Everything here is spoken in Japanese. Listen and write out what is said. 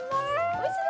おいしい！